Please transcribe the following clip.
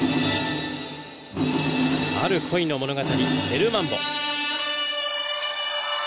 「ある恋の物語」「エル・マンボ」。